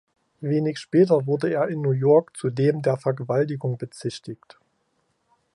Wenig später wurde er in New York zudem der Vergewaltigung bezichtigt.